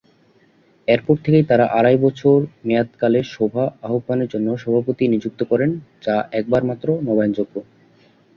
এরপর থেকেই তারা আড়াই বছর মেয়াদকালে সভা আহ্বানের জন্য সভাপতি নিযুক্ত করেন যা একবার মাত্র নবায়ণযোগ্য।